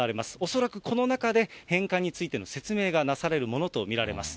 恐らくこの中で返還についての説明がなされるものと見られます。